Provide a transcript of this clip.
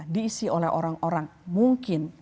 diisi oleh orang orang mungkin